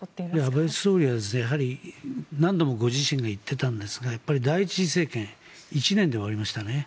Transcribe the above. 安倍総理はやはり何度もご自身が言っていたんですが第１次政権１年で終わりましたね。